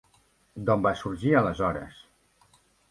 D'on va sorgir aleshores?